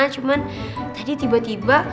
cuman tadi tiba tiba